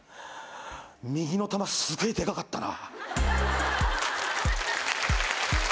右の玉すげえでかかったな。